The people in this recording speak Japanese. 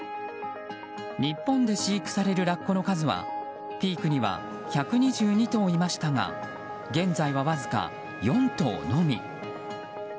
日本で飼育されるラッコの数はピークには１２２頭いましたが現在は、わずか４頭のみ。